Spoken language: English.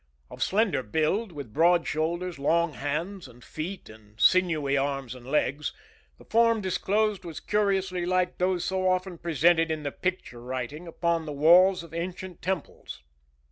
Of slender build, with broad shoulders, long hands and feet and sinewy arms and legs, the form disclosed was curiously like those so often presented in the picture writing upon the walls of ancient temples.